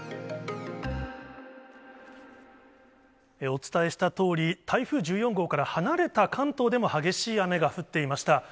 お伝えしたとおり、台風１４号から離れた関東でも激しい雨が降っていました。